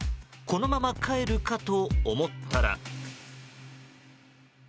このまま帰るかと思ったら。